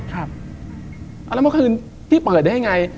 แล้วเมื่อคืนพี่เปิดได้ยังไง